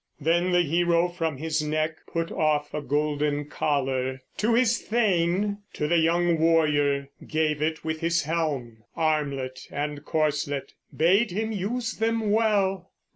Then the hero from his neck Put off a golden collar; to his thane, To the young warrior, gave it with his helm, Armlet and corslet; bade him use them well.